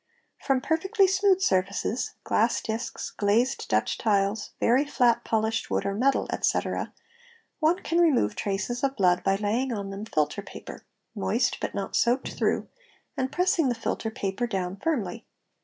From perfectly smooth surfaces (glass discs, glazed Dutch tiles, very flat | polished wood or metal, etc.,) one can remove traces of blood by laying on" : them filter paper, moist but not soaked through, and pressing the filter paper down firmly.